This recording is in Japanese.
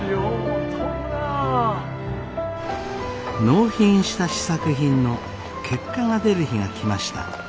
納品した試作品の結果が出る日が来ました。